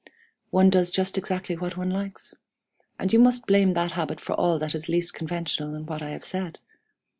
One does just exactly what one likes and you must blame that habit for all that is least conventional in what I have said.